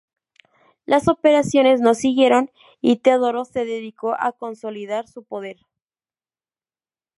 Las operaciones no siguieron y Teodoro se dedicó a consolidar su poder.